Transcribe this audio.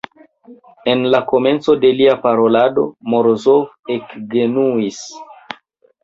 En la komenco de lia parolado Morozov ekgenuis.